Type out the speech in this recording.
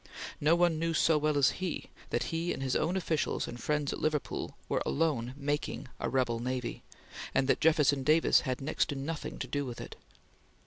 No one knew so well as he that he and his own officials and friends at Liverpool were alone "making" a rebel navy, and that Jefferson Davis had next to nothing to do with it.